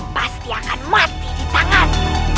pasti akan mati di tangan